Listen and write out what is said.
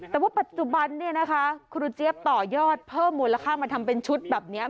แต่ว่าปัจจุบันเนี่ยนะคะครูเจี๊ยบต่อยอดเพิ่มมูลค่ามาทำเป็นชุดแบบนี้